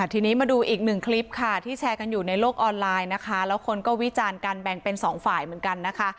ทีนี้มาดูอีกหนึ่งคลิปที่แชร์กันอยู่ในโลกออนไลน์แล้วคนก็วิจาณกันแบ่งเป็น๒ฝ่ายเหมือนกัน